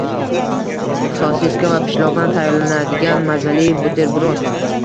Sosiska va pishloqdan tayyorlanadigan mazali buterbrod